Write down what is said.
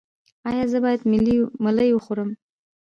ایا زه باید ملی وخورم؟